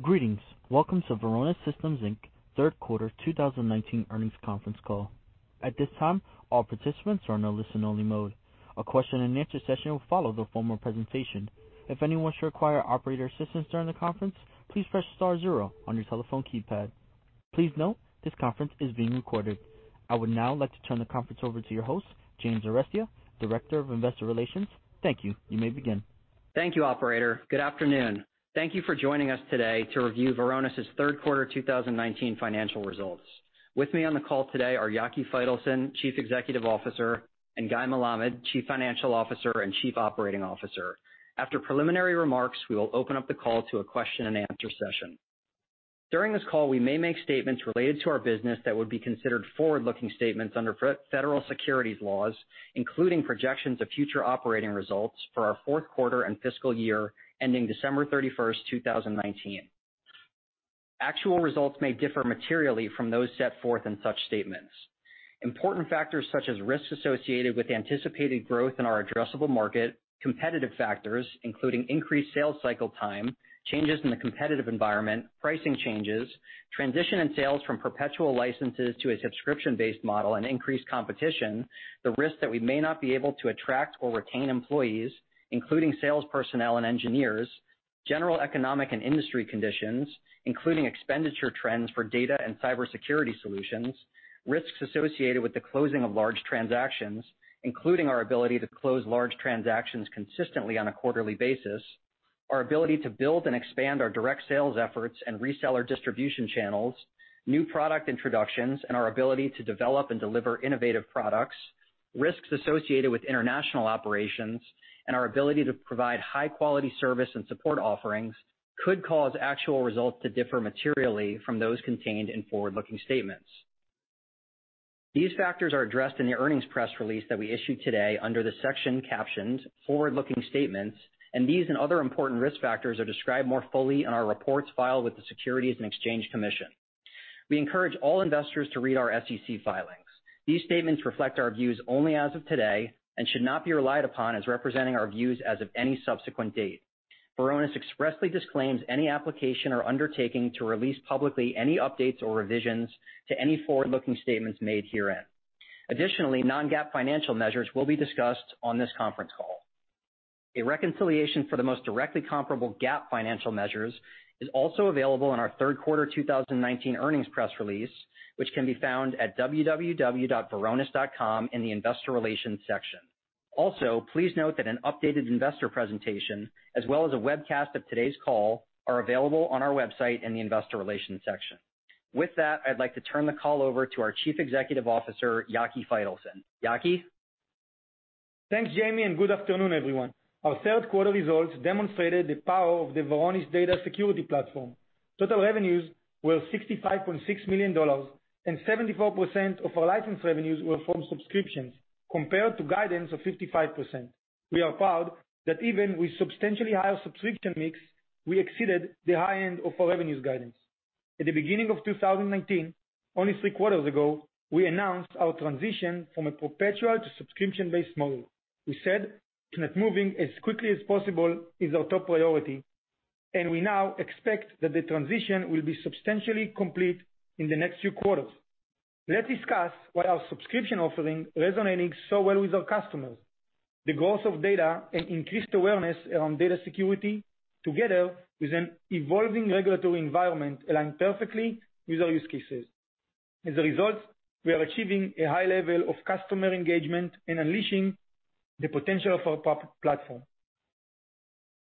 Greetings. Welcome to Varonis Systems Inc.'s third quarter 2019 earnings conference call. At this time, all participants are in a listen-only mode. A question and answer session will follow the formal presentation. If anyone should require operator assistance during the conference, please press star zero on your telephone keypad. Please note, this conference is being recorded. I would now like to turn the conference over to your host, James Arestia, Director of Investor Relations. Thank you. You may begin. Thank you, operator. Good afternoon. Thank you for joining us today to review Varonis's third quarter 2019 financial results. With me on the call today are Yaki Faitelson, Chief Executive Officer, and Guy Melamed, Chief Financial Officer and Chief Operating Officer. After preliminary remarks, we will open up the call to a question and answer session. During this call, we may make statements related to our business that would be considered forward-looking statements under federal securities laws, including projections of future operating results for our fourth quarter and fiscal year ending December 31st, 2019. Actual results may differ materially from those set forth in such statements. Important factors such as risks associated with anticipated growth in our addressable market, competitive factors, including increased sales cycle time, changes in the competitive environment, pricing changes, transition in sales from perpetual licenses to a subscription-based model and increased competition, the risk that we may not be able to attract or retain employees, including sales personnel and engineers, general economic and industry conditions, including expenditure trends for data and cybersecurity solutions, risks associated with the closing of large transactions, including our ability to close large transactions consistently on a quarterly basis, our ability to build and expand our direct sales efforts and reseller distribution channels, new product introductions, and our ability to develop and deliver innovative products, risks associated with international operations, and our ability to provide high-quality service and support offerings could cause actual results to differ materially from those contained in forward-looking statements. These factors are addressed in the earnings press release that we issued today under the section captioned, "Forward-Looking Statements," and these and other important risk factors are described more fully in our reports filed with the Securities and Exchange Commission. We encourage all investors to read our SEC filings. These statements reflect our views only as of today and should not be relied upon as representing our views as of any subsequent date. Varonis expressly disclaims any application or undertaking to release publicly any updates or revisions to any forward-looking statements made herein. Additionally, non-GAAP financial measures will be discussed on this conference call. A reconciliation for the most directly comparable GAAP financial measures is also available in our third quarter 2019 earnings press release, which can be found at www.varonis.com in the investor relations section. Also, please note that an updated investor presentation, as well as a webcast of today's call, are available on our website in the investor relations section. With that, I'd like to turn the call over to our Chief Executive Officer, Yaki Faitelson. Yaki? Thanks, Jamie, and good afternoon, everyone. Our third quarter results demonstrated the power of the Varonis Data Security Platform. Total revenues were $65.6 million, and 74% of our license revenues were from subscriptions, compared to guidance of 55%. We are proud that even with substantially higher subscription mix, we exceeded the high end of our revenues guidance. At the beginning of 2019, only three quarters ago, we announced our transition from a perpetual to subscription-based model. We said that moving as quickly as possible is our top priority, and we now expect that the transition will be substantially complete in the next few quarters. Let's discuss why our subscription offering resonating so well with our customers. The growth of data and increased awareness around data security together with an evolving regulatory environment align perfectly with our use cases. As a result, we are achieving a high level of customer engagement in unleashing the potential of our platform.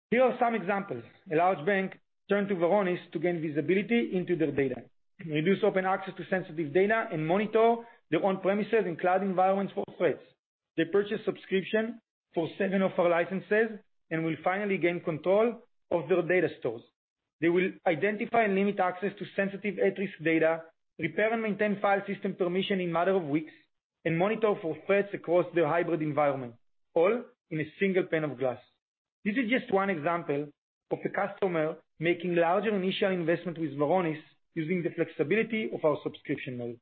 Here are some examples. A large bank turned to Varonis to gain visibility into their data, reduce open access to sensitive data, and monitor their on-premises and cloud environments for threats. They purchased subscription for seven of our licenses and will finally gain control of their data stores. They will identify and limit access to sensitive at-risk data, repair and maintain file system permission in matter of weeks, and monitor for threats across their hybrid environment, all in a single pane of glass. This is just one example of the customer making larger initial investment with Varonis using the flexibility of our subscription model.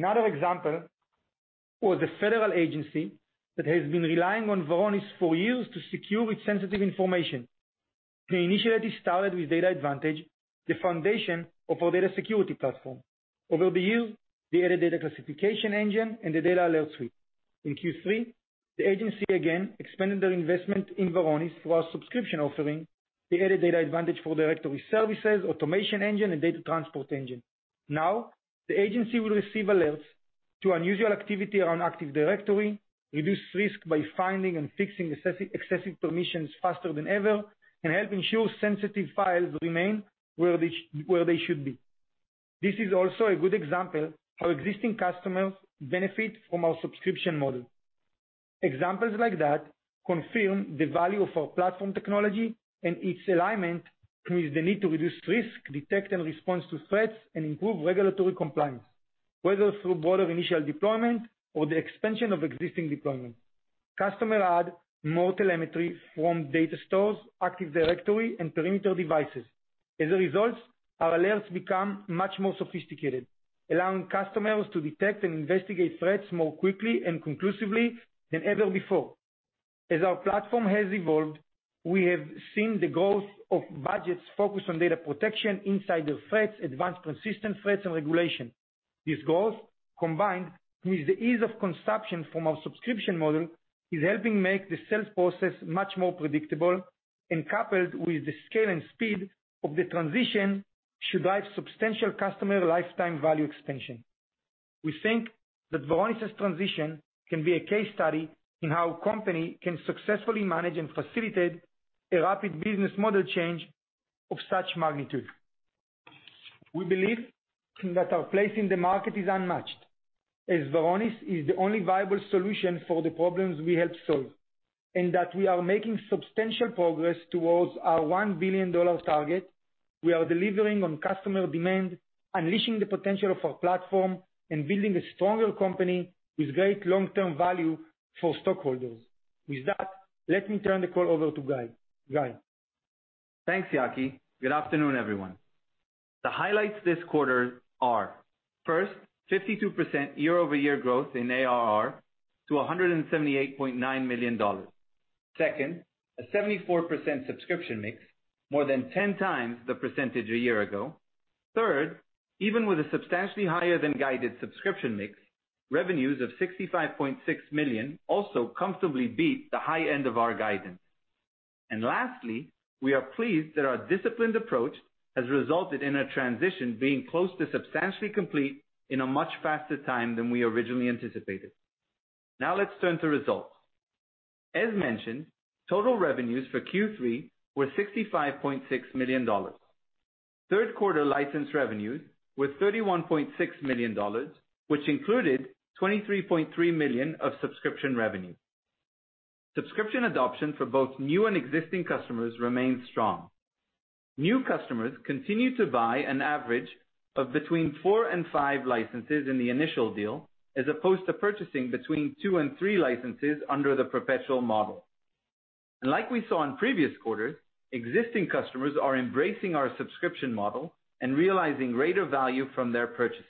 Another example was the federal agency that has been relying on Varonis for years to secure its sensitive information. They initially started with DatAdvantage, the foundation of our Data Security Platform. Over the years, they added Data Classification Engine and the DatAlert Suite. In Q3, the agency again expanded their investment in Varonis through our subscription offering. They added DatAdvantage for Directory Services, Automation Engine, and Data Transport Engine. Now, the agency will receive alerts to unusual activity around Active Directory, reduce risk by finding and fixing excessive permissions faster than ever, and help ensure sensitive files remain where they should be. This is also a good example how existing customers benefit from our subscription model. Examples like that confirm the value of our platform technology and its alignment with the need to reduce risk, detect and response to threats, and improve regulatory compliance, whether through broader initial deployment or the expansion of existing deployment. Customer add more telemetry from data stores, Active Directory, and perimeter devices. As a result, our alerts become much more sophisticated, allowing customers to detect and investigate threats more quickly and conclusively than ever before. As our platform has evolved, we have seen the growth of budgets focused on data protection, insider threats, advanced persistent threats, and regulation. These goals, combined with the ease of consumption from our subscription model, is helping make the sales process much more predictable, and coupled with the scale and speed of the transition, should drive substantial customer lifetime value expansion. We think that Varonis's transition can be a case study in how a company can successfully manage and facilitate a rapid business model change of such magnitude. We believe that our place in the market is unmatched, as Varonis is the only viable solution for the problems we help solve, and that we are making substantial progress towards our $1 billion target. We are delivering on customer demand, unleashing the potential of our platform, and building a stronger company with great long-term value for stockholders. With that, let me turn the call over to Guy. Guy? Thanks, Yaki. Good afternoon, everyone. The highlights this quarter are, first, 52% year-over-year growth in ARR to $178.9 million. Second, a 74% subscription mix, more than 10 times the percentage a year ago. Third, even with a substantially higher than guided subscription mix, revenues of $65.6 million also comfortably beat the high end of our guidance. Lastly, we are pleased that our disciplined approach has resulted in a transition being close to substantially complete in a much faster time than we originally anticipated. Now let's turn to results. As mentioned, total revenues for Q3 were $65.6 million. Third quarter license revenues were $31.6 million, which included $23.3 million of subscription revenue. Subscription adoption for both new and existing customers remains strong. New customers continue to buy an average of between four and five licenses in the initial deal, as opposed to purchasing between two and three licenses under the perpetual model. Like we saw in previous quarters, existing customers are embracing our subscription model and realizing greater value from their purchases.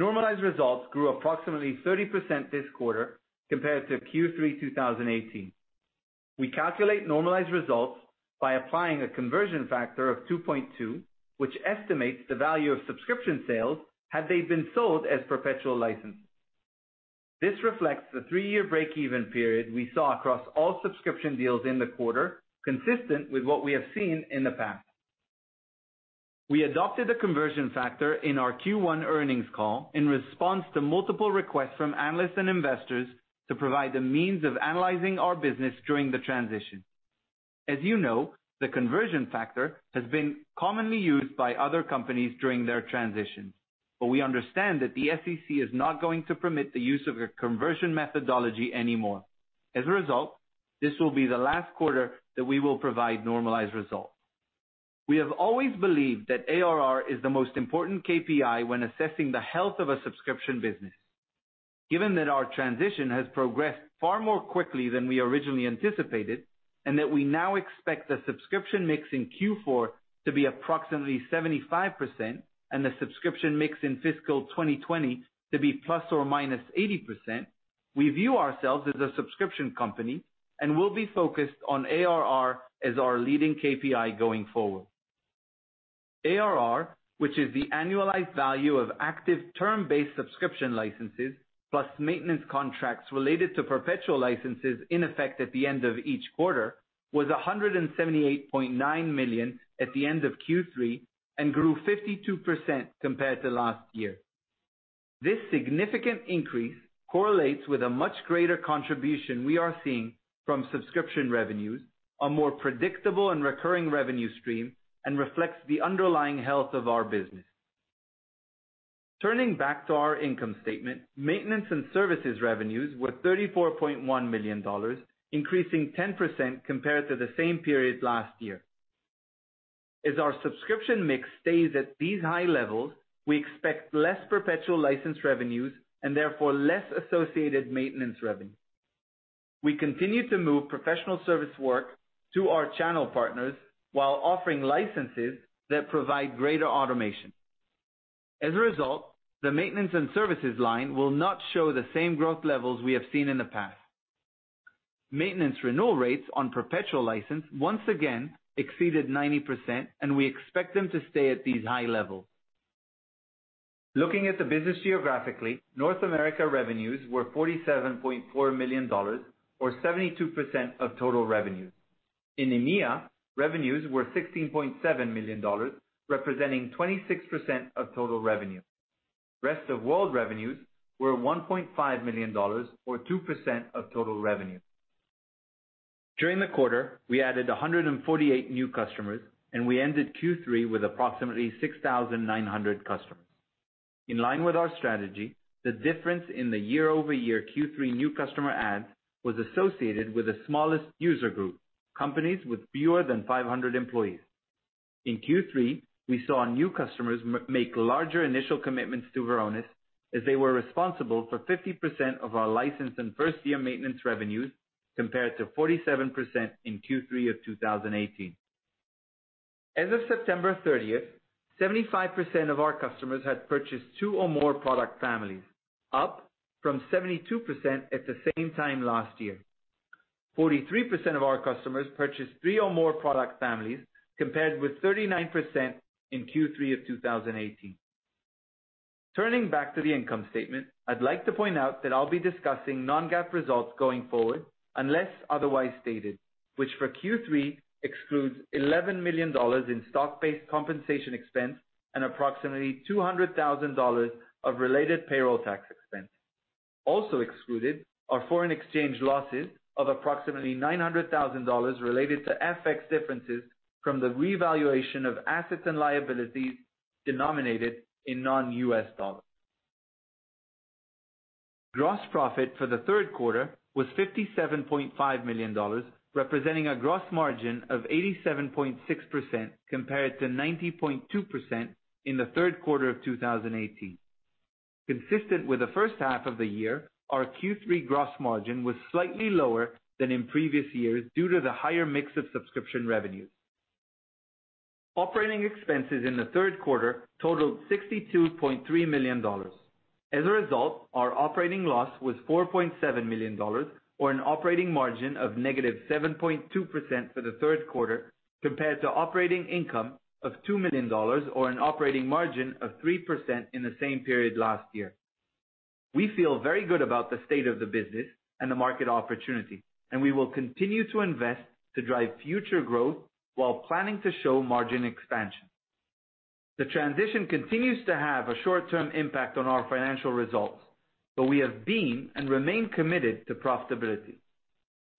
Normalized results grew approximately 30% this quarter compared to Q3 2018. We calculate normalized results by applying a conversion factor of 2.2, which estimates the value of subscription sales had they been sold as perpetual license. This reflects the three-year break-even period we saw across all subscription deals in the quarter, consistent with what we have seen in the past. We adopted the conversion factor in our Q1 earnings call in response to multiple requests from analysts and investors to provide a means of analyzing our business during the transition. As you know, the conversion factor has been commonly used by other companies during their transition, but we understand that the SEC is not going to permit the use of a conversion methodology anymore. As a result, this will be the last quarter that we will provide normalized results. We have always believed that ARR is the most important KPI when assessing the health of a subscription business. Given that our transition has progressed far more quickly than we originally anticipated, and that we now expect the subscription mix in Q4 to be approximately 75% and the subscription mix in fiscal 2020 to be ±80%, we view ourselves as a subscription company and will be focused on ARR as our leading KPI going forward. ARR, which is the annualized value of active term-based subscription licenses plus maintenance contracts related to perpetual licenses in effect at the end of each quarter, was $178.9 million at the end of Q3 and grew 52% compared to last year. This significant increase correlates with a much greater contribution we are seeing from subscription revenues, a more predictable and recurring revenue stream, and reflects the underlying health of our business. Turning back to our income statement, maintenance and services revenues were $34.1 million, increasing 10% compared to the same period last year. As our subscription mix stays at these high levels, we expect less perpetual license revenues and therefore less associated maintenance revenue. We continue to move professional service work to our channel partners while offering licenses that provide greater automation. As a result, the maintenance and services line will not show the same growth levels we have seen in the past. Maintenance renewal rates on perpetual license once again exceeded 90%, and we expect them to stay at these high levels. Looking at the business geographically, North America revenues were $47.4 million, or 72% of total revenue. In EMEA, revenues were $16.7 million, representing 26% of total revenue. Rest of world revenues were $1.5 million, or 2% of total revenue. During the quarter, we added 148 new customers, and we ended Q3 with approximately 6,900 customers. In line with our strategy, the difference in the year-over-year Q3 new customer adds was associated with the smallest user group, companies with fewer than 500 employees. In Q3, we saw new customers make larger initial commitments to Varonis, as they were responsible for 50% of our license and first-year maintenance revenues. Compared to 47% in Q3 of 2018. As of September 30th, 75% of our customers had purchased two or more product families, up from 72% at the same time last year. 43% of our customers purchased three or more product families, compared with 39% in Q3 of 2018. Turning back to the income statement, I'd like to point out that I'll be discussing non-GAAP results going forward unless otherwise stated, which for Q3 excludes $11 million in stock-based compensation expense and approximately $200,000 of related payroll tax expense. Also excluded are foreign exchange losses of approximately $900,000 related to FX differences from the revaluation of assets and liabilities denominated in non-US dollars. Gross profit for the third quarter was $57.5 million, representing a gross margin of 87.6%, compared to 90.2% in the third quarter of 2018. Consistent with the first half of the year, our Q3 gross margin was slightly lower than in previous years due to the higher mix of subscription revenues. Operating expenses in the third quarter totaled $62.3 million. As a result, our operating loss was $4.7 million, or an operating margin of -7.2% for the third quarter, compared to operating income of $2 million, or an operating margin of 3% in the same period last year. We feel very good about the state of the business and the market opportunity, and we will continue to invest to drive future growth while planning to show margin expansion. The transition continues to have a short-term impact on our financial results, but we have been and remain committed to profitability.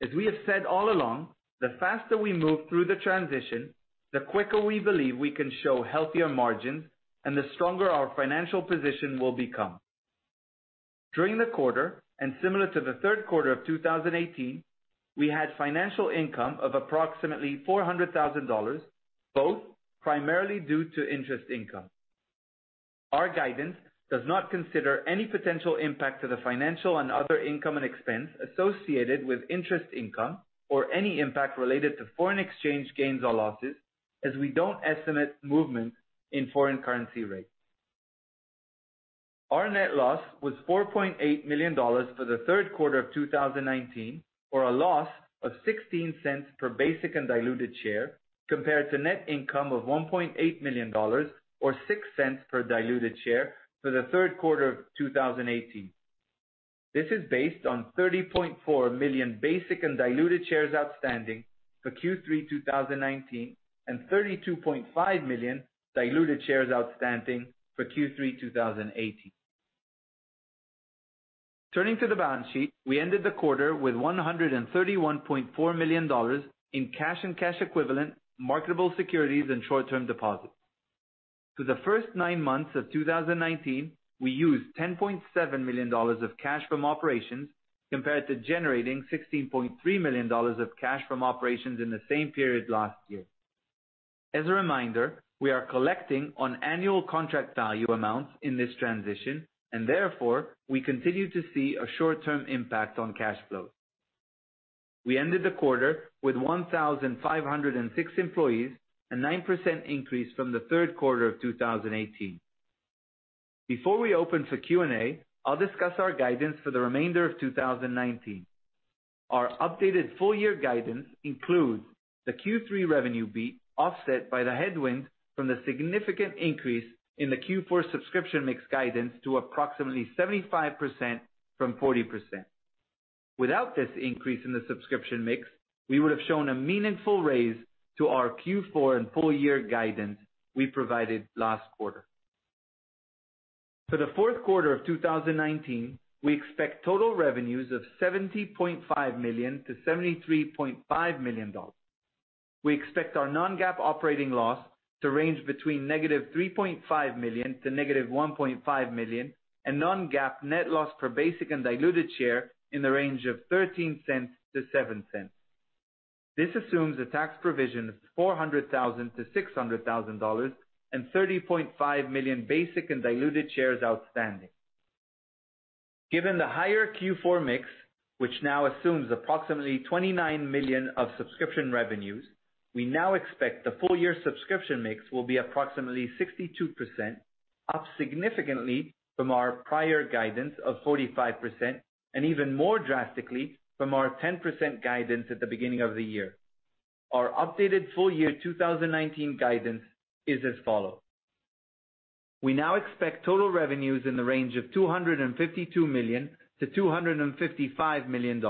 As we have said all along, the faster we move through the transition, the quicker we believe we can show healthier margins and the stronger our financial position will become. During the quarter, and similar to the third quarter of 2018, we had financial income of approximately $400,000, both primarily due to interest income. Our guidance does not consider any potential impact to the financial and other income and expense associated with interest income or any impact related to foreign exchange gains or losses, as we don't estimate movement in foreign currency rates. Our net loss was $4.8 million for the third quarter of 2019, or a loss of $0.16 per basic and diluted share, compared to net income of $1.8 million or $0.06 per diluted share for the third quarter of 2018. This is based on 30.4 million basic and diluted shares outstanding for Q3 2019, and 32.5 million diluted shares outstanding for Q3 2018. Turning to the balance sheet, we ended the quarter with $131.4 million in cash and cash equivalent marketable securities and short-term deposits. For the first nine months of 2019, we used $10.7 million of cash from operations compared to generating $16.3 million of cash from operations in the same period last year. As a reminder, we are collecting on annual contract value amounts in this transition and therefore, we continue to see a short-term impact on cash flow. We ended the quarter with 1,506 employees, a 9% increase from the third quarter of 2018. Before we open for Q&A, I'll discuss our guidance for the remainder of 2019. Our updated full year guidance includes the Q3 revenue beat, offset by the headwind from the significant increase in the Q4 subscription mix guidance to approximately 75% from 40%. Without this increase in the subscription mix, we would have shown a meaningful raise to our Q4 and full year guidance we provided last quarter. For the fourth quarter of 2019, we expect total revenues of $70.5 million-$73.5 million. We expect our non-GAAP operating loss to range between negative $3.5 million-negative $1.5 million, and non-GAAP net loss per basic and diluted share in the range of $0.13-$0.07. This assumes a tax provision of $400,000-$600,000 and 30.5 million basic and diluted shares outstanding. Given the higher Q4 mix, which now assumes approximately $29 million of subscription revenues, we now expect the full year subscription mix will be approximately 62%, up significantly from our prior guidance of 45%, and even more drastically from our 10% guidance at the beginning of the year. Our updated full year 2019 guidance is as follows. We now expect total revenues in the range of $252 million-$255 million.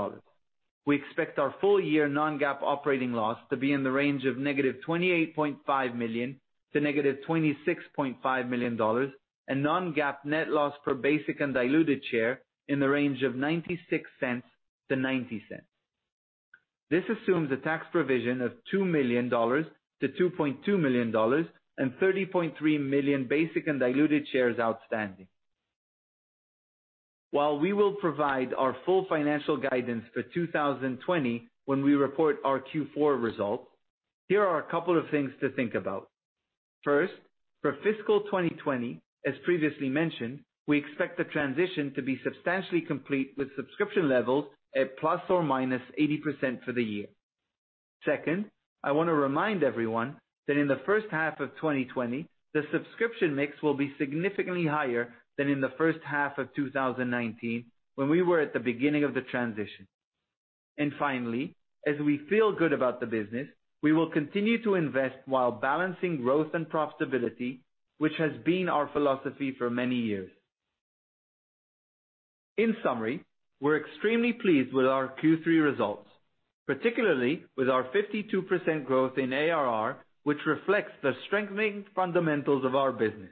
We expect our full year non-GAAP operating loss to be in the range of negative $28.5 million to negative $26.5 million, and non-GAAP net loss per basic and diluted share in the range of $0.96 to $0.90. This assumes a tax provision of $2 million-$2.2 million and 30.3 million basic and diluted shares outstanding. While we will provide our full financial guidance for 2020 when we report our Q4 results, here are a couple of things to think about. First, for fiscal 2020, as previously mentioned, we expect the transition to be substantially complete with subscription levels at ±80% for the year. Second, I want to remind everyone that in the first half of 2020, the subscription mix will be significantly higher than in the first half of 2019, when we were at the beginning of the transition. Finally, as we feel good about the business, we will continue to invest while balancing growth and profitability, which has been our philosophy for many years. In summary, we're extremely pleased with our Q3 results, particularly with our 52% growth in ARR, which reflects the strengthening fundamentals of our business.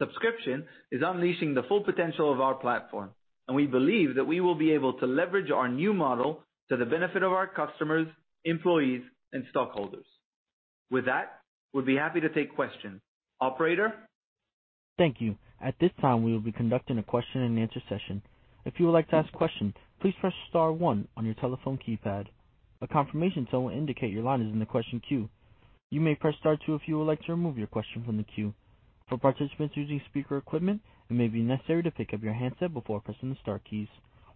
Subscription is unleashing the full potential of our platform. We believe that we will be able to leverage our new model to the benefit of our customers, employees, and stockholders. With that, we'd be happy to take questions. Operator? Thank you. At this time, we will be conducting a question and answer session. If you would like to ask a question, please press star one on your telephone keypad. A confirmation tone will indicate your line is in the question queue. You may press star two if you would like to remove your question from the queue. For participants using speaker equipment, it may be necessary to pick up your handset before pressing the star keys.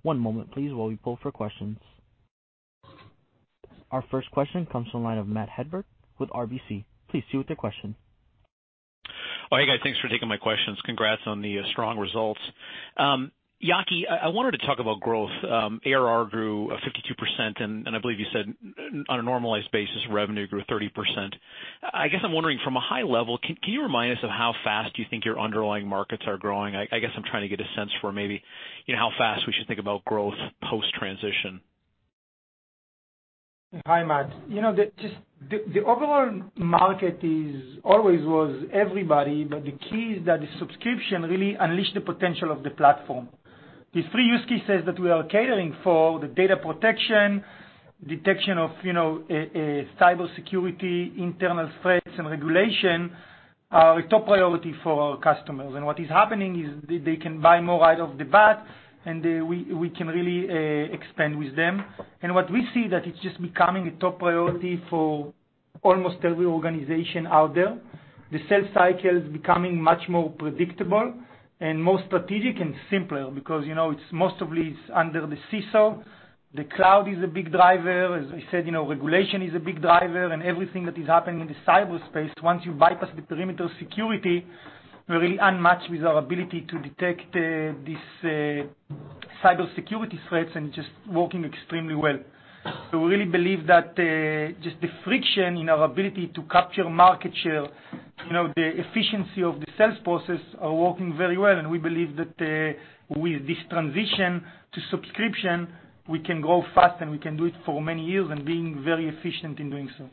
One moment please while we pull for questions. Our first question comes from the line of Matt Hedberg with RBC. Please proceed with your question. Well, hey guys, thanks for taking my questions. Congrats on the strong results. Yaki, I wanted to talk about growth. ARR grew 52%, and I believe you said on a normalized basis, revenue grew 30%. I guess I'm wondering from a high level, can you remind us of how fast you think your underlying markets are growing? I guess I'm trying to get a sense for maybe, how fast we should think about growth post-transition. Hi, Matt. The overall market always was everybody. The key is that the subscription really unleashed the potential of the platform. These three use cases that we are catering for, the data protection, detection of cybersecurity, internal threats, and regulation, are a top priority for our customers. What is happening is they can buy more right off the bat, and we can really expand with them. What we see that it's just becoming a top priority for almost every organization out there. The sales cycle is becoming much more predictable and more strategic and simpler because, it's mostly under the CISO. The cloud is a big driver. As I said, regulation is a big driver. Everything that is happening in the cyberspace, once you bypass the perimeter security, really unmatched with our ability to detect these cybersecurity threats and just working extremely well. We really believe that just the friction in our ability to capture market share, the efficiency of the sales process are working very well. We believe that with this transition to subscription, we can grow fast, and we can do it for many years and being very efficient in doing so.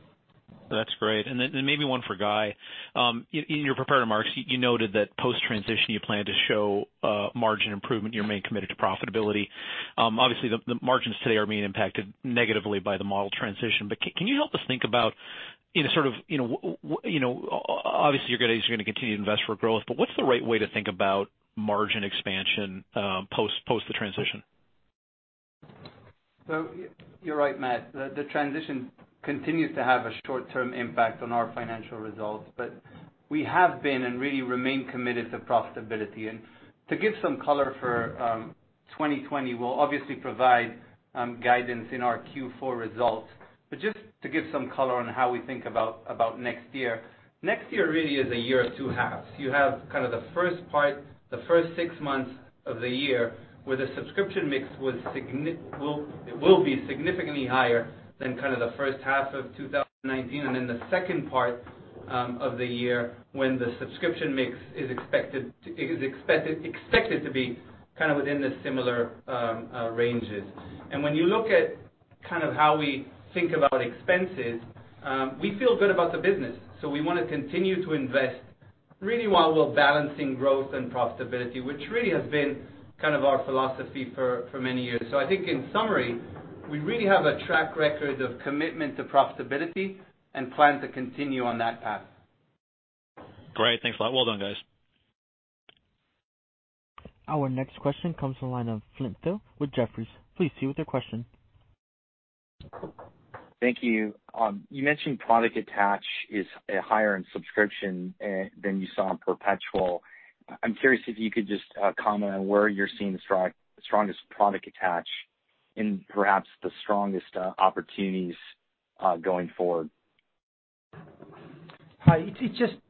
That's great. Then maybe one for Guy. In your prepared remarks, you noted that post-transition, you plan to show margin improvement, you remain committed to profitability. Obviously, the margins today are being impacted negatively by the model transition. Can you help us think about obviously, you're going to continue to invest for growth, but what's the right way to think about margin expansion, post the transition? You're right, Matt. The transition continues to have a short-term impact on our financial results. We have been and really remain committed to profitability. To give some color for 2020, we'll obviously provide guidance in our Q4 results. Just to give some color on how we think about next year. Next year really is a year of two halves. You have kind of the first part, the first six months of the year where the subscription mix will be significantly higher than the first half of 2019, and then the second part of the year when the subscription mix is expected to be kind of within the similar ranges. When you look at how we think about expenses, we feel good about the business, so we want to continue to invest really while we're balancing growth and profitability, which really has been kind of our philosophy for many years. I think in summary, we really have a track record of commitment to profitability and plan to continue on that path. Great. Thanks a lot. Well done, guys. Our next question comes from the line of Brent Thill with Jefferies. Please proceed with your question. Thank you. You mentioned product attach is higher in subscription than you saw in perpetual. I'm curious if you could just comment on where you're seeing the strongest product attach and perhaps the strongest opportunities, going forward. Hi.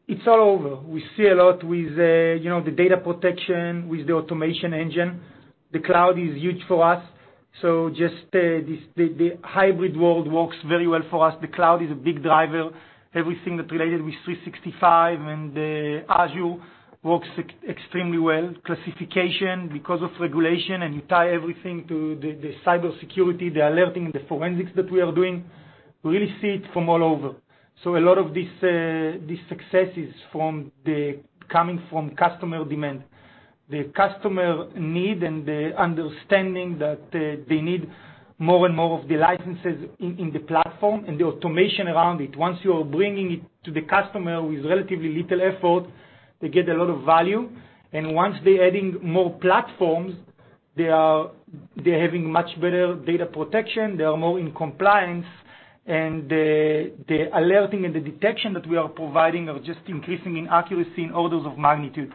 It's all over. We see a lot with the data protection, with the Automation Engine. The cloud is huge for us, so just the hybrid world works very well for us. The cloud is a big driver. Everything that related with 365 and Azure works extremely well. Classification because of regulation, and you tie everything to the cybersecurity, the alerting, and the forensics that we are doing. We really see it from all over. A lot of these successes coming from customer demand. The customer need and the understanding that they need more and more of the licenses in the platform and the automation around it. Once you are bringing it to the customer with relatively little effort, they get a lot of value. Once they're adding more platforms. They are having much better data protection. They are more in compliance, and the alerting and the detection that we are providing are just increasing in accuracy in orders of magnitude.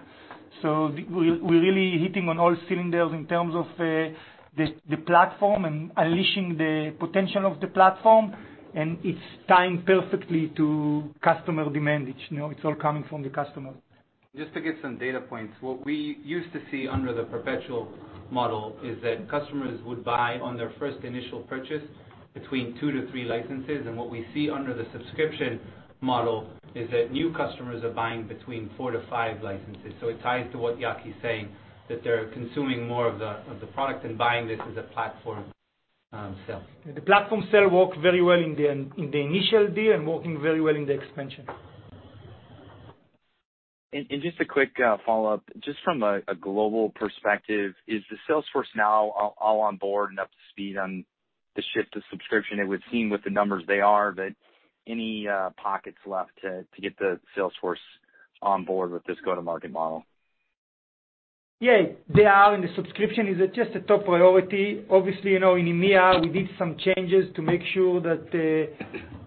We're really hitting on all cylinders in terms of the platform and unleashing the potential of the platform, and it's timed perfectly to customer demand. It's all coming from the customer. Just to get some data points. What we used to see under the perpetual model is that customers would buy, on their first initial purchase, between two to three licenses. What we see under the subscription model is that new customers are buying between four to five licenses. It ties to what Yaki is saying, that they're consuming more of the product and buying this as a platform sale. The platform sale worked very well in the initial deal and working very well in the expansion. Just a quick follow-up. Just from a global perspective, is the sales force now all on board and up to speed on the shift to subscription? It would seem with the numbers they are, but any pockets left to get the sales force on board with this go-to-market model? Yeah, they are. In the subscription, it's just a top priority. Obviously, in EMEA, we did some changes to make sure that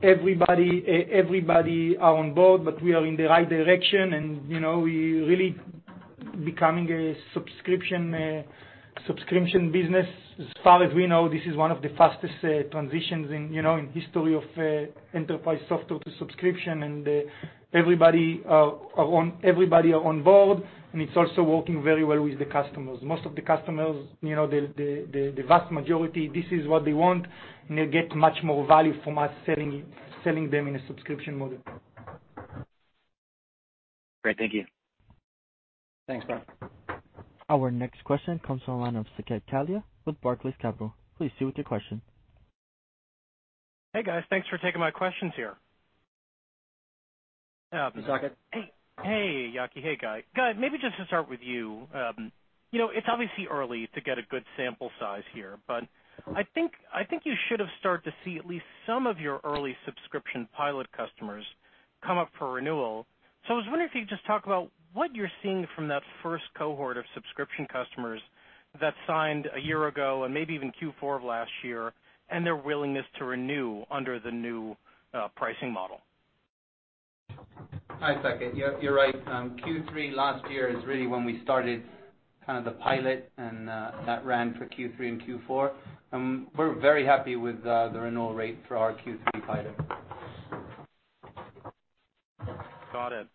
everybody are on board, but we are in the right direction, and we really becoming a subscription business. As far as we know, this is one of the fastest transitions in history of enterprise software to subscription, and everybody are on board, and it's also working very well with the customers. Most of the customers, the vast majority, this is what they want, and they get much more value from us selling them in a subscription model. Great. Thank you. Thanks, Brent. Our next question comes from the line of Saket Kalia with Barclays Capital. Please proceed with your question. Hey, guys. Thanks for taking my questions here. Hi, Saket. Hey, Yaki. Hey, Guy. Guy, maybe just to start with you. It's obviously early to get a good sample size here, but I think you should have start to see at least some of your early subscription pilot customers come up for renewal. I was wondering if you could just talk about what you're seeing from that first cohort of subscription customers that signed a year ago and maybe even Q4 of last year, and their willingness to renew under the new pricing model. Hi, Saket. You're right. Q3 last year is really when we started kind of the pilot and that ran for Q3 and Q4. We're very happy with the renewal rate for our Q3 pilot. Got it.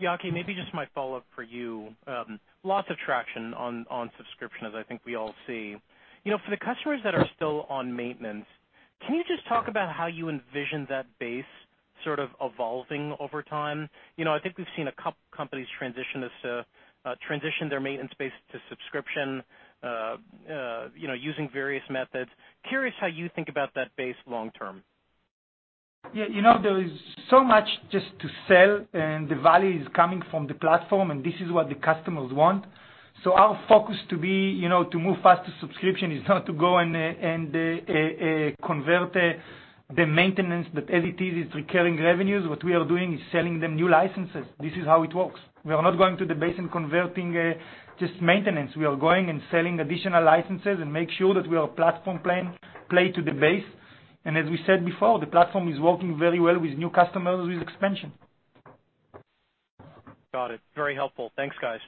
Yaki, maybe just my follow-up for you. Lots of traction on subscription, as I think we all see. For the customers that are still on maintenance, can you just talk about how you envision that base sort of evolving over time? I think we've seen a couple of companies transition their maintenance base to subscription using various methods. Curious how you think about that base long term. Yeah. There is so much just to sell, and the value is coming from the platform, and this is what the customers want. Our focus to be, to move fast to subscription is not to go and convert the maintenance that as it is recurring revenues. What we are doing is selling them new licenses. This is how it works. We are not going to the base and converting just maintenance. We are going and selling additional licenses and make sure that we are platform play to the base. As we said before, the platform is working very well with new customers with expansion. Got it. Very helpful. Thanks, guys.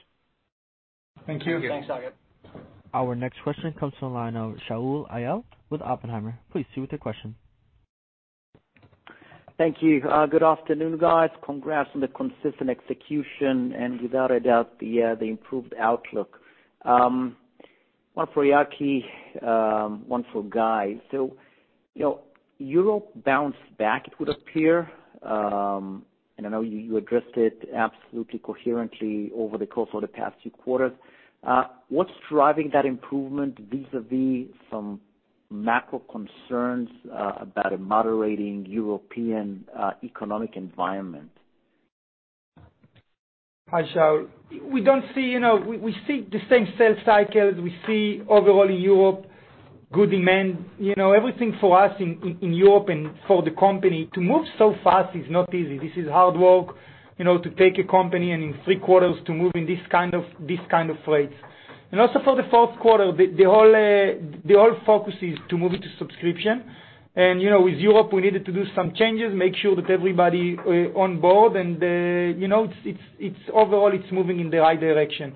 Thank you. Thank you. Thanks, Saket. Our next question comes from the line of Shaul Eyal with Oppenheimer. Please proceed with your question. Thank you. Good afternoon, guys. Congrats on the consistent execution and without a doubt, the improved outlook. One for Yaki, one for Guy. Europe bounced back, it would appear, and I know you addressed it absolutely coherently over the course of the past few quarters. What's driving that improvement vis-a-vis some macro concerns about a moderating European economic environment? Hi, Shaul. We see the same sales cycles. We see overall in Europe, good demand. Everything for us in Europe and for the company, to move so fast is not easy. This is hard work, to take a company and in three quarters to move in this kind of rates. For the fourth quarter, the whole focus is to move it to subscription. With Europe, we needed to do some changes, make sure that everybody on board and, overall it's moving in the right direction.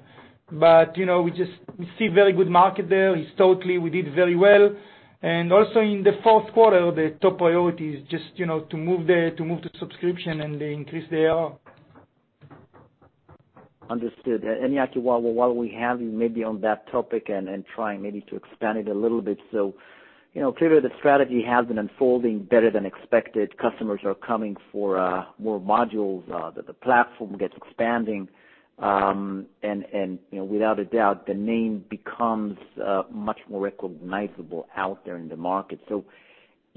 We see very good market there. Historically, we did very well. Also in the fourth quarter, the top priority is just to move to subscription and increase the ARR. Understood. Yaki, while we have you maybe on that topic and trying maybe to expand it a little bit. Clearly the strategy has been unfolding better than expected. Customers are coming for more modules. The platform gets expanding. Without a doubt, the name becomes much more recognizable out there in the market. Do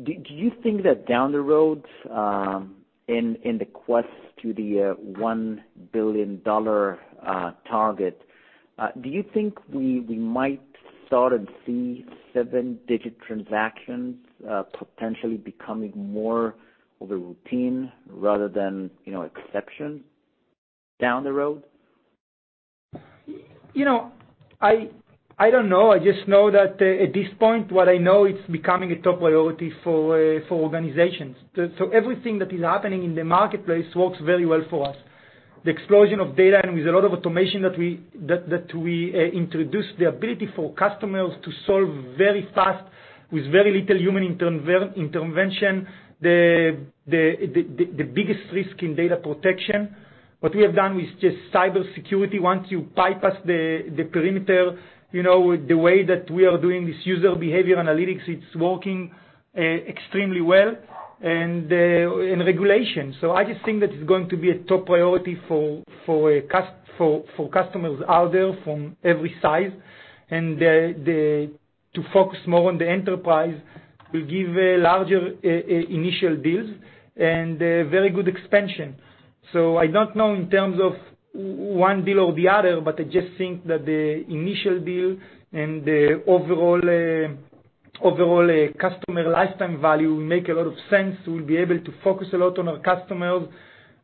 you think that down the road, in the quest to the $1 billion target, do you think we might start and see seven-digit transactions potentially becoming more of a routine rather than exception down the road? I don't know. I just know that at this point, what I know, it's becoming a top priority for organizations. Everything that is happening in the marketplace works very well for us. The explosion of data, and with a lot of automation that we introduced, the ability for customers to solve very fast with very little human intervention, the biggest risk in data protection. What we have done with just cybersecurity, once you bypass the perimeter, the way that we are doing this user behavior analytics, it's working extremely well, and regulation. I just think that it's going to be a top priority for customers out there from every size. To focus more on the enterprise will give larger initial deals and very good expansion. I don't know in terms of one deal or the other, but I just think that the initial deal and the overall customer lifetime value will make a lot of sense. We'll be able to focus a lot on our customers,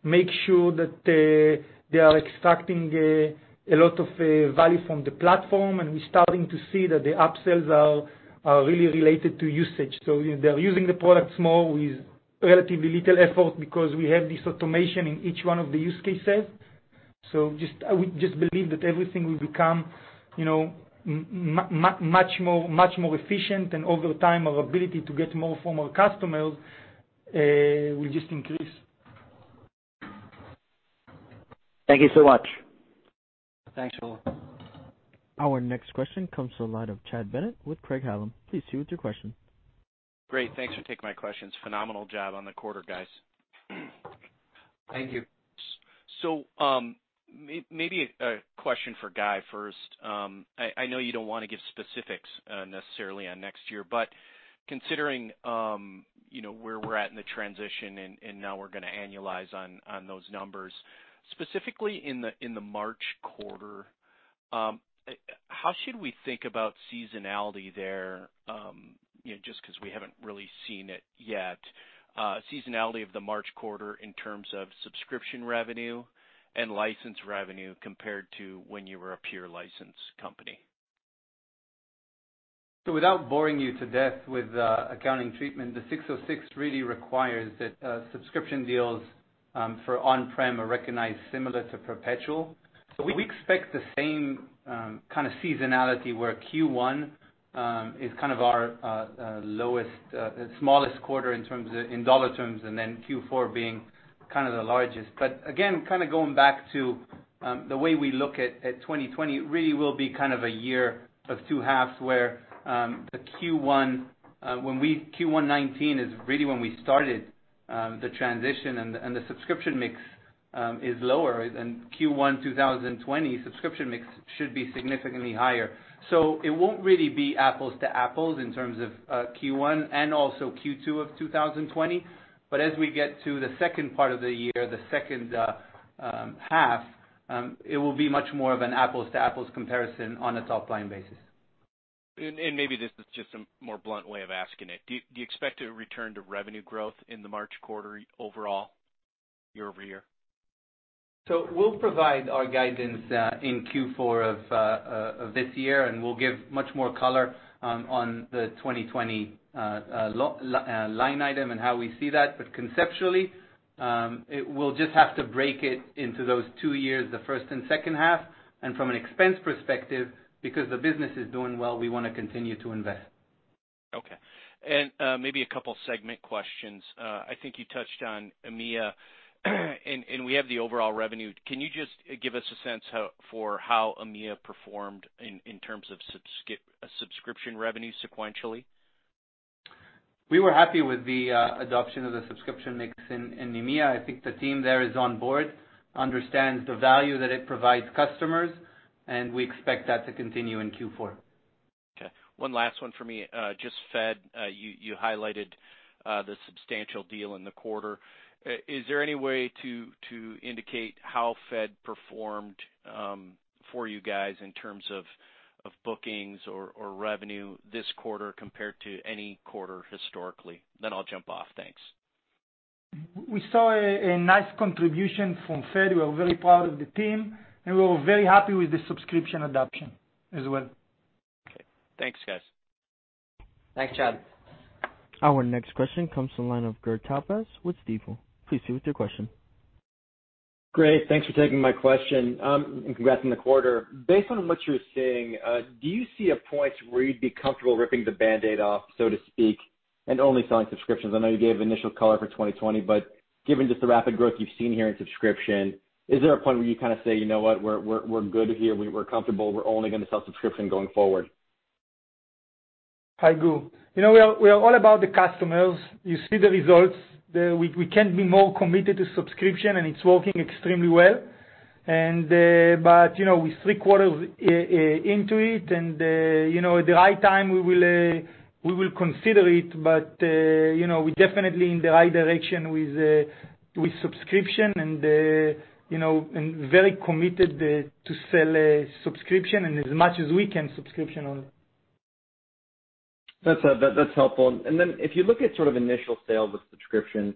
make sure that they are extracting a lot of value from the platform, and we're starting to see that the upsells are really related to usage. They're using the product more with relatively little effort because we have this automation in each one of the use cases. I just believe that everything will become much more efficient, and over time, our ability to get more from our customers will just increase. Thank you so much. Thanks, Shaul. Our next question comes to the line of Chad Bennett with Craig-Hallum. Please proceed with your question. Great. Thanks for taking my questions. Phenomenal job on the quarter, guys. Thank you. Maybe a question for Guy first. I know you don't want to give specifics necessarily on next year, but considering where we're at in the transition and now we're going to annualize on those numbers, specifically in the March Quarter, how should we think about seasonality there? Just because we haven't really seen it yet. Seasonality of the March Quarter in terms of subscription revenue and license revenue compared to when you were a pure license company. Without boring you to death with accounting treatment, the ASC 606 really requires that subscription deals for on-prem are recognized similar to perpetual. We expect the same kind of seasonality, where Q1 is kind of our smallest quarter in $ terms, and then Q4 being kind of the largest. Again, going back to the way we look at 2020, it really will be kind of a year of two halves, where the Q1 2019 is really when we started the transition, and the subscription mix is lower, and Q1 2020 subscription mix should be significantly higher. It won't really be apples to apples in terms of Q1 and also Q2 of 2020. As we get to the second part of the year, the second half, it will be much more of an apples to apples comparison on a top-line basis. Maybe this is just a more blunt way of asking it. Do you expect a return to revenue growth in the March quarter overall year-over-year? We'll provide our guidance in Q4 of this year, and we'll give much more color on the 2020 line item and how we see that. Conceptually, we'll just have to break it into those two years, the first and second half, and from an expense perspective, because the business is doing well, we want to continue to invest. Okay. Maybe a couple segment questions. I think you touched on EMEA, and we have the overall revenue. Can you just give us a sense for how EMEA performed in terms of subscription revenue sequentially? We were happy with the adoption of the subscription mix in EMEA. I think the team there is on board, understands the value that it provides customers, and we expect that to continue in Q4. Okay. One last one for me. Just Fed, you highlighted the substantial deal in the quarter. Is there any way to indicate how Fed performed for you guys in terms of bookings or revenue this quarter compared to any quarter historically? I'll jump off. Thanks. We saw a nice contribution from Fed. We are very proud of the team, and we were very happy with the subscription adoption as well. Okay. Thanks, guys. Thanks, Chad. Our next question comes to the line of Gur Talpaz with Stifel. Please proceed with your question. Great. Thanks for taking my question, congrats on the quarter. Based on what you're seeing, do you see a point where you'd be comfortable ripping the Band-Aid off, so to speak, and only selling subscriptions? I know you gave initial color for 2020, given just the rapid growth you've seen here in subscription, is there a point where you kind of say, "You know what? We're good here. We're comfortable. We're only going to sell subscription going forward? Hi, Gu. We are all about the customers. You see the results. We can't be more committed to subscription, and it's working extremely well. With 3 quarters into it, and at the right time, we will consider it, but we're definitely in the right direction with subscription, and very committed to sell a subscription, and as much as we can, subscription only. That's helpful. If you look at initial sales of subscription,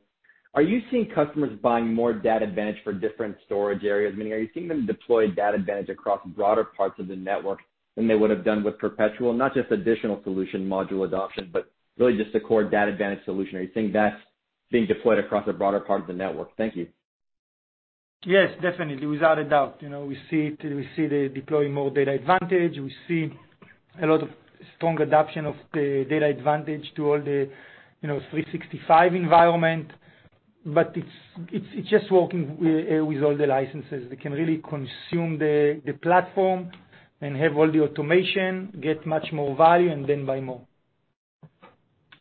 are you seeing customers buying more DatAdvantage for different storage areas? Meaning, are you seeing them deploy DatAdvantage across broader parts of the network than they would've done with perpetual, not just additional solution module adoption, but really just the core DatAdvantage solution? Are you seeing that being deployed across a broader part of the network? Thank you. Yes, definitely. Without a doubt. We see they're deploying more DatAdvantage. We see a lot of strong adoption of the DatAdvantage to all the 365 environment, but it's just working with all the licenses. They can really consume the platform and have all the automation, get much more value, and then buy more.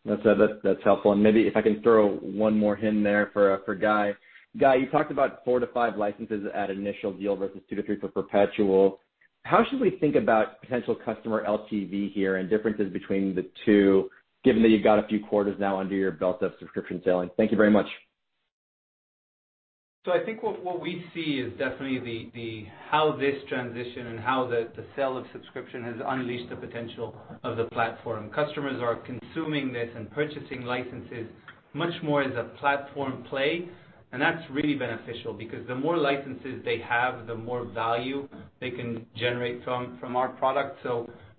That's helpful. Maybe if I can throw one more in there for Guy. Guy, you talked about four to five licenses at initial deal versus two to three for perpetual. How should we think about potential customer LTV here and differences between the two, given that you've got a few quarters now under your belt of subscription selling? Thank you very much. I think what we see is definitely how this transition and how the sale of subscription has unleashed the potential of the platform. Customers are consuming this and purchasing licenses much more as a platform play, and that's really beneficial because the more licenses they have, the more value they can generate from our product.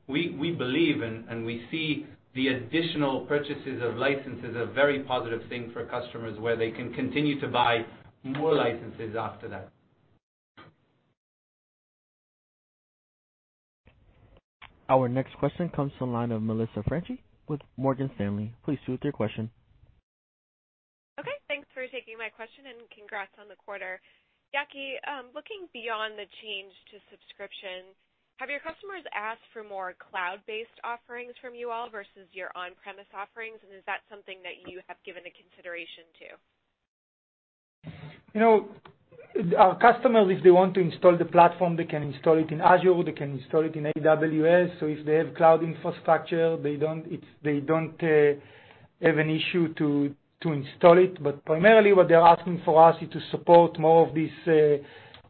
We believe and we see the additional purchases of licenses, a very positive thing for customers, where they can continue to buy more licenses after that. Our next question comes from the line of Melissa Franchi with Morgan Stanley. Please proceed with your question. Okay, thanks for taking my question, and congrats on the quarter. Yaki, looking beyond the change to subscription, have your customers asked for more cloud-based offerings from you all versus your on-premise offerings? Is that something that you have given a consideration to? Our customers, if they want to install the platform, they can install it in Azure, or they can install it in AWS. If they have cloud infrastructure, they don't have an issue to install it. Primarily, what they're asking for us is to support more of this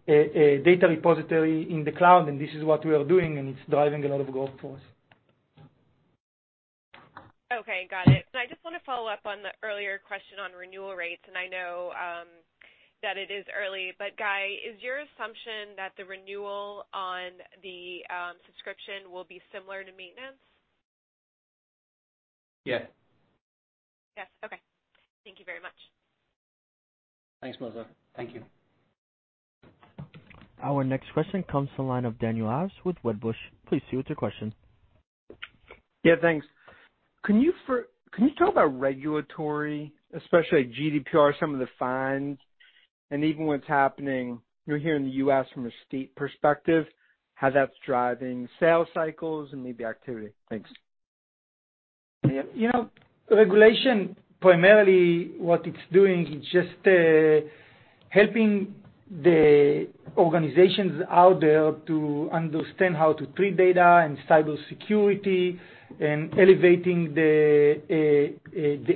data repository in the cloud, and this is what we are doing, and it's driving a lot of growth for us. Okay, got it. I just want to follow up on the earlier question on renewal rates. I know that it is early. Guy, is your assumption that the renewal on the subscription will be similar to maintenance? Yes. Yes. Okay. Thank you very much. Thanks, Melissa. Thank you. Our next question comes to the line of Daniel Ives with Wedbush. Please proceed with your question. Yeah, thanks. Can you talk about regulatory, especially GDPR, some of the fines and even what's happening here in the U.S. from a state perspective, how that's driving sales cycles and maybe activity? Thanks. Regulation, primarily what it's doing is just helping the organizations out there to understand how to treat data and cybersecurity and elevating the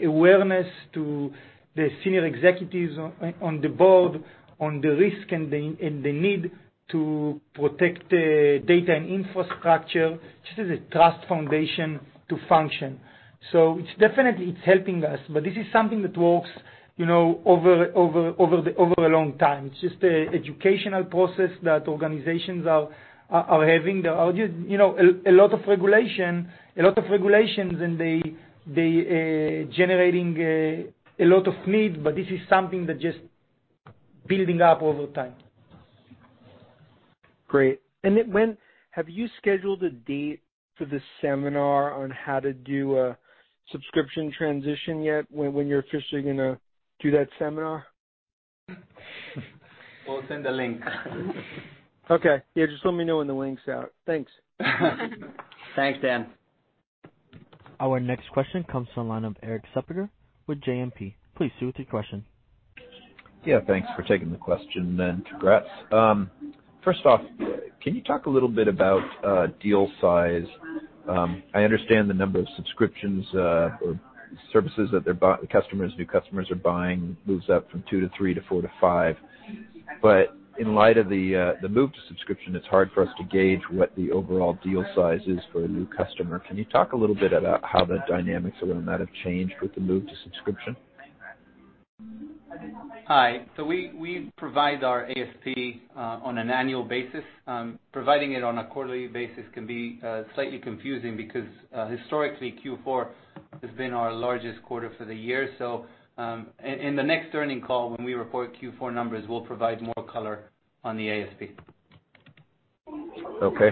awareness to the senior executives on the board on the risk and the need to protect data and infrastructure. This is a trust foundation to function. Definitely, it's helping us, but this is something that works over a long time. It's just an educational process that organizations are having. A lot of regulations, and they generating a lot of need, but this is something that just building up over time. Great. Have you scheduled a date for the seminar on how to do a subscription transition yet? When you're officially going to do that seminar? We'll send a link. Okay. Yeah, just let me know when the link's out. Thanks. Thanks, Dan. Our next question comes from the line of Erik Suppiger with JMP. Please proceed with your question. Yeah, thanks for taking the question, and congrats. First off, can you talk a little bit about deal size? I understand the number of subscriptions or services that new customers are buying moves up from two to three to four to five. In light of the move to subscription, it's hard for us to gauge what the overall deal size is for a new customer. Can you talk a little bit about how the dynamics around that have changed with the move to subscription? Hi. We provide our ASP on an annual basis. Providing it on a quarterly basis can be slightly confusing because historically, Q4 has been our largest quarter for the year. In the next earnings call, when we report Q4 numbers, we'll provide more color on the ASP. Okay.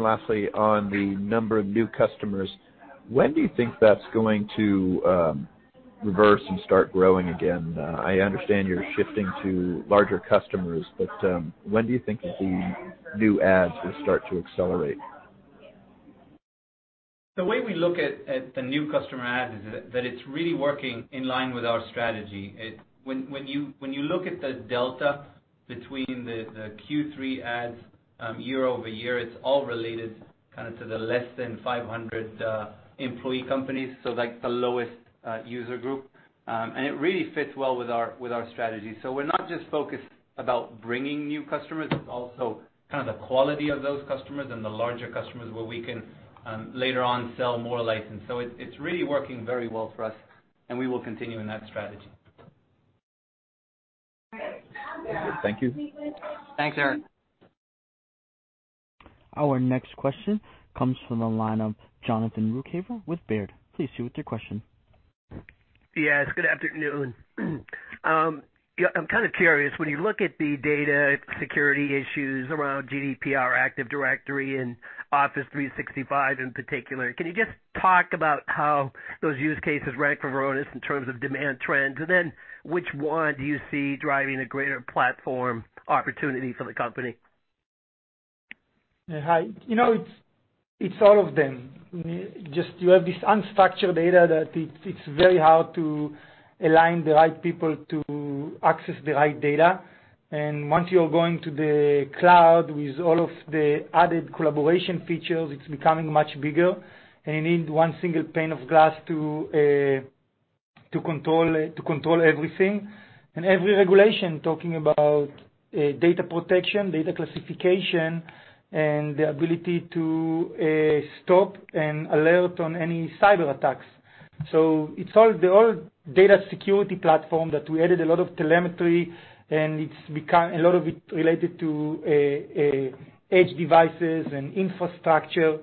Lastly, on the number of new customers, when do you think that's going to reverse and start growing again? I understand you're shifting to larger customers, when do you think the new adds will start to accelerate? The way we look at the new customer add is that it's really working in line with our strategy. When you look at the delta between the Q3 adds year-over-year, it's all related to the less than 500 employee companies, so the lowest user group. It really fits well with our strategy. We're not just focused about bringing new customers, it's also the quality of those customers and the larger customers where we can later on sell more license. It's really working very well for us, and we will continue in that strategy. Thank you. Thanks, Erik. Our next question comes from the line of Jonathan Ruykhaver with Baird. Please proceed with your question. Yes, good afternoon. I'm kind of curious, when you look at the data security issues around GDPR Active Directory and Office 365 in particular, can you just talk about how those use cases rank for Varonis in terms of demand trends? Which one do you see driving a greater platform opportunity for the company? Yeah. Hi. It's all of them. Just you have this unstructured data that it's very hard to align the right people to access the right data. Once you're going to the cloud with all of the added collaboration features, it's becoming much bigger, and you need one single pane of glass to control everything. Every regulation talking about data protection, data classification, and the ability to stop and alert on any cyber attacks. It's all the old Data Security Platform that we added a lot of telemetry, and a lot of it related to edge devices and infrastructure.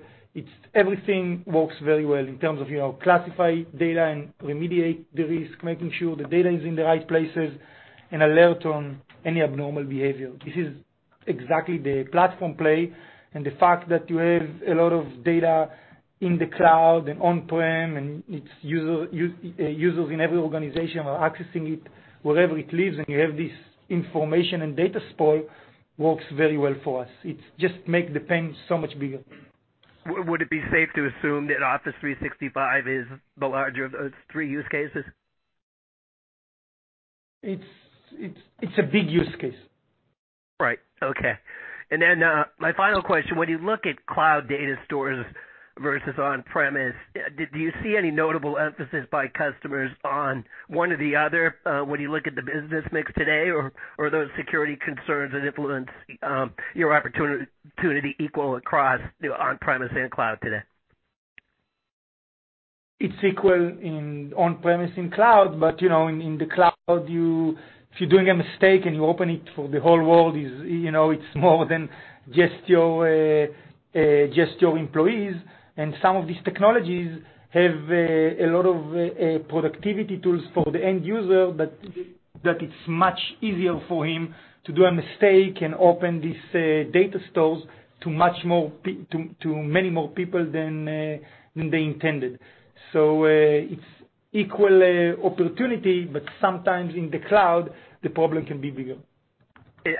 Everything works very well in terms of classify data and remediate the risk, making sure the data is in the right places and alert on any abnormal behavior. This is exactly the platform play, the fact that you have a lot of data in the cloud and on-prem, and users in every organization are accessing it wherever it lives, and you have this information and data sprawl, works very well for us. It just makes the plane so much bigger. Would it be safe to assume that Office 365 is the larger of those three use cases? It's a big use case. Right. Okay. My final question, when you look at cloud data stores versus on-premise, do you see any notable emphasis by customers on one or the other when you look at the business mix today, or are those security concerns that influence your opportunity equal across the on-premise and cloud today? It's equal in on-premise and cloud, but in the cloud, if you're doing a mistake and you open it for the whole world, it's more than just your employees. Some of these technologies have a lot of productivity tools for the end user, but that it's much easier for him to do a mistake and open these data stores to many more people than they intended. It's equal opportunity, but sometimes in the cloud, the problem can be bigger.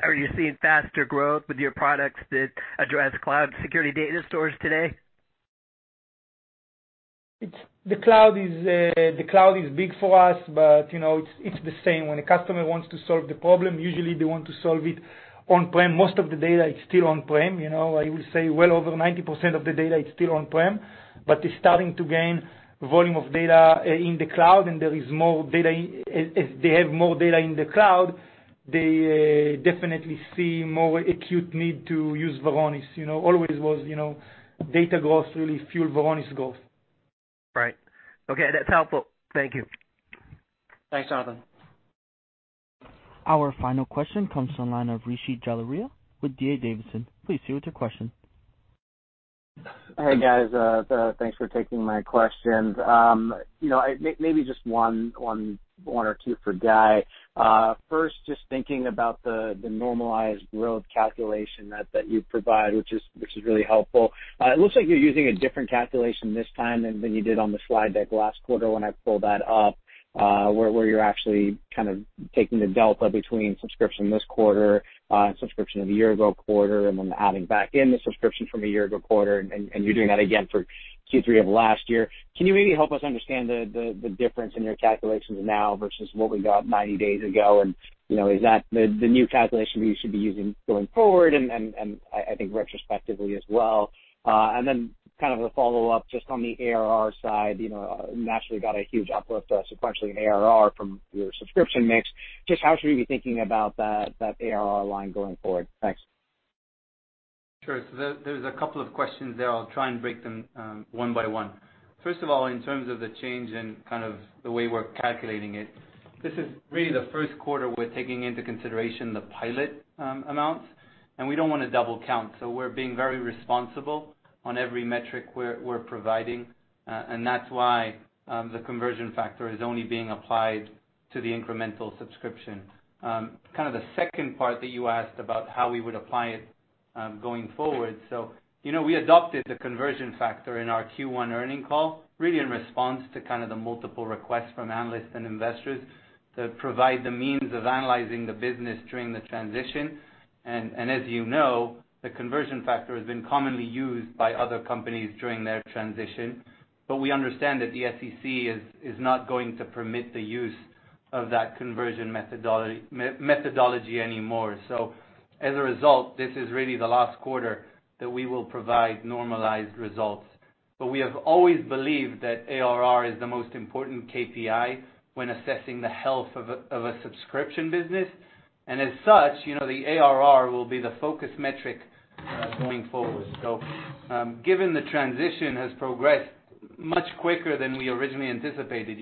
Are you seeing faster growth with your products that address cloud security data stores today? The cloud is big for us, but it's the same. When a customer wants to solve the problem, usually they want to solve it on-prem. Most of the data is still on-prem. I would say well over 90% of the data is still on-prem, but it's starting to gain volume of data in the cloud, and if they have more data in the cloud, they definitely see more acute need to use Varonis. Always was data growth really fueled Varonis growth. Right. Okay, that's helpful. Thank you. Thanks, Jonathan. Our final question comes from line of Rishi Jaluria with D.A. Davidson. Please proceed with your question. Hey, guys. Thanks for taking my questions. Maybe just one or two for Guy. First, just thinking about the normalized growth calculation that you provide, which is really helpful. It looks like you're using a different calculation this time than you did on the slide deck last quarter when I pulled that up, where you're actually taking the delta between subscription this quarter, subscription of a year ago quarter, and then adding back in the subscription from a year ago quarter, and you're doing that again for Q3 of last year. Can you maybe help us understand the difference in your calculations now versus what we got 90 days ago? Is that the new calculation that you should be using going forward, and I think retrospectively as well? Then kind of a follow-up just on the ARR side. Naturally got a huge uplift sequentially in ARR from your subscription mix. Just how should we be thinking about that ARR line going forward? Thanks. Sure. There's a couple of questions there. I'll try and break them one by one. First of all, in terms of the change in the way we're calculating it, this is really the first quarter we're taking into consideration the pilot amounts, and we don't want to double count. We're being very responsible on every metric we're providing. That's why the conversion factor is only being applied to the incremental subscription. Kind of the second part that you asked about how we would apply it going forward. We adopted the conversion factor in our Q1 earnings call, really in response to kind of the multiple requests from analysts and investors to provide the means of analyzing the business during the transition. As you know, the conversion factor has been commonly used by other companies during their transition. We understand that the SEC is not going to permit the use of that conversion methodology anymore. As a result, this is really the last quarter that we will provide normalized results. We have always believed that ARR is the most important KPI when assessing the health of a subscription business. As such, the ARR will be the focus metric going forward. Given the transition has progressed much quicker than we originally anticipated,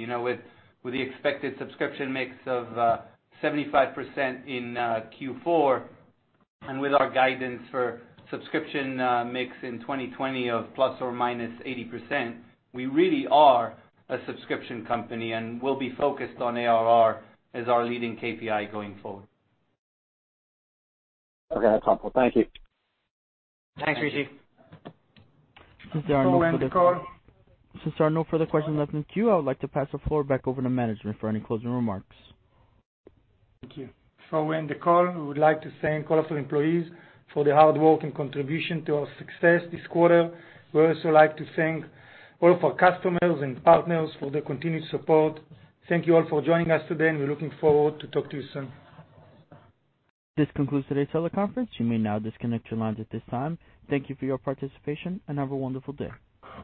with the expected subscription mix of 75% in Q4, and with our guidance for subscription mix in 2020 of ±80%, we really are a subscription company, and we'll be focused on ARR as our leading KPI going forward. Okay. That's helpful. Thank you. Thanks, Rishi. Since there are no further questions in the queue, I would like to pass the floor back over to management for any closing remarks. Thank you. Before we end the call, we would like to thank all of our employees for their hard work and contribution to our success this quarter. We'd also like to thank all of our customers and partners for their continued support. Thank you all for joining us today, and we're looking forward to talk to you soon. This concludes today's teleconference. You may now disconnect your lines at this time. Thank you for your participation, and have a wonderful day.